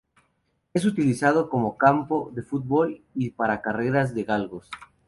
Es utilizado como campo de fútbol y para carreras de galgos.